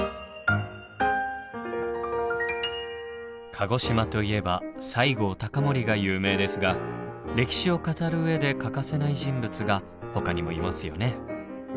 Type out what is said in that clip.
鹿児島といえば西郷隆盛が有名ですが歴史を語る上で欠かせない人物がほかにもいますよね。